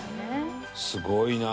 すごいな。